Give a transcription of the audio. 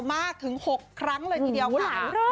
มากถึง๖ครั้งเลยทีเดียวค่ะอือหูหรอมาก